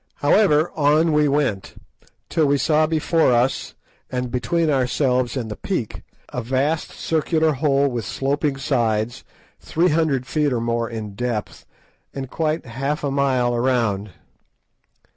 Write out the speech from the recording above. However, on we went, till we saw before us, and between ourselves and the peak, a vast circular hole with sloping sides, three hundred feet or more in depth, and quite half a mile round.